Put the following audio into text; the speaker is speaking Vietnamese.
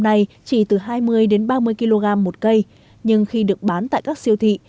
nay chỉ từ hai mươi đến ba mươi kg một cây nhưng khi được bán tại các siêu thị